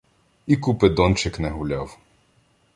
І Купидончик не гуляв.